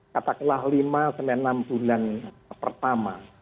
kata kelah v kemenang bulan pertama